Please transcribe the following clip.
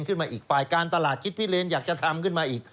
ขึ้นมาอีกฝ่ายการตลาดคิดพิเลนอยากจะทำขึ้นมาอีก